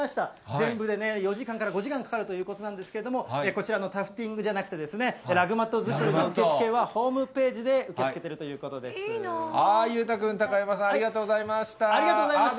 全部でね、４時間から５時間かかるということなんですけれども、こちらのタフティングじゃなくて、ラグマット作りの受け付けはホームページで受け付けてるというこ裕太君、高山さん、ありがとありがとうございました。